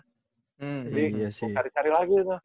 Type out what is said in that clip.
jadi gue cari cari lagi tuh